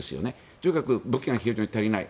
とにかく武器が足りない。